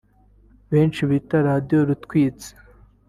benshi bita “Radiyo Rutwitsi”